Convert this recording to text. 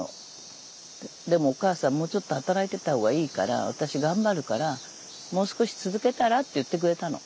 でも「お母さんもうちょっと働いてた方がいいから私頑張るからもう少し続けたら？」って言ってくれたの。